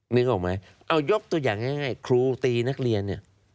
นึกออกไหมเอายกตัวอย่างง่ายครูตีนักเรียนเนี่ย